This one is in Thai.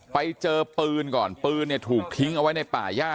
ไปเจอปืนก่อนปืนเนี่ยถูกทิ้งเอาไว้ในป่าย่า